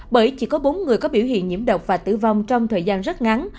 bởi chỉ có bốn người có biểu hiện nhiễm độc và tử vong trong thời gian rất ngắn